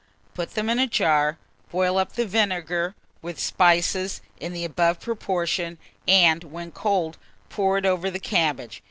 Put them in a jar; boil up the vinegar with spices in the above proportion, and, when cold, pour it over the cabbage.